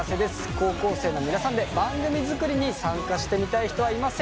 高校生の皆さんで番組作りに参加してみたい人はいませんか？